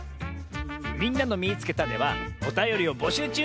「みんなのみいつけた！」ではおたよりをぼしゅうちゅう！